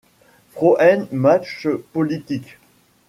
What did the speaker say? Frauen Macht Politik!